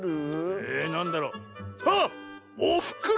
なんだろう？あっおふくろ！